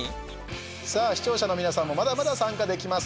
さあ、視聴者の皆さんもまだまだ参加できます。